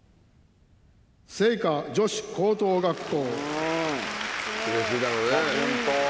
精華女子高等学校。